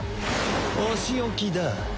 お仕置きだ。